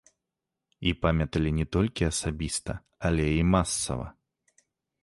І памяталі не толькі асабіста, але і масава.